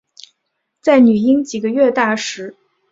在女婴几个月大时